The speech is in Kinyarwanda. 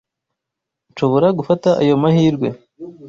Nshobora gufata ayo mahirwe.